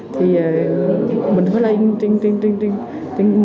thì mình phải lên